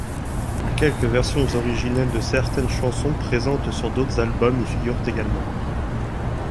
Quelques versions originelles de certaines chansons présentes sur d'autres albums y figurent également.